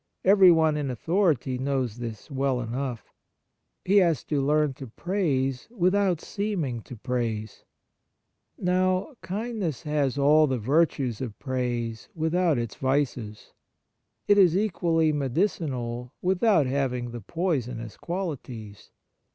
Every one in authority knows this well enough. On Kindness in General 35 He has to learn to praise without seeming to praise. Now, kindness has all the virtues of praise without its vices. It is equally medicinal without ha^■ing the poisonous qualities.